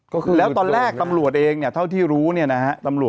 ก็คือแล้วตอนแรกตำรวจเองเนี่ยเท่าที่รู้เนี่ยนะฮะ